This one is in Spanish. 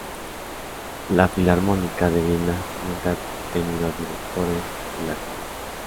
La Filarmónica de Viena nunca ha tenido directores titulares.